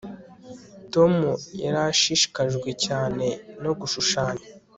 Tom yari ashishikajwe cyane no gushushanya